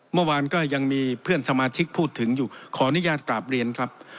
เมื่อวานก็ยังมีเพื่อนสมาชิกพูดถึงอยู่ขออนุญาตกราบเรียนครับ